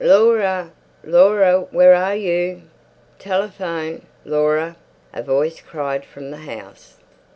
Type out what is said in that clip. "Laura, Laura, where are you? Telephone, Laura!" a voice cried from the house.